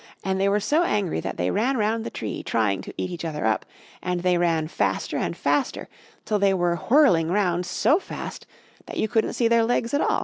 And they were so angry that they ran round the tree, trying to eat each other up, and they ran faster and faster till they were whirling round so fast that you couldn't see their legs at all.